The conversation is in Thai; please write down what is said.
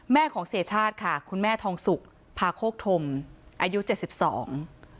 ของเสียชาติค่ะคุณแม่ทองสุกพาโคกธมอายุเจ็ดสิบสอง